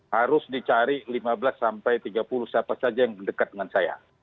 harus dicari lima belas sampai tiga puluh siapa saja yang dekat dengan saya